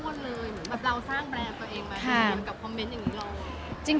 เหมือนแบบเราสร้างแบรนด์ตัวเองมานานกับคอมเมนต์อย่างนี้เรา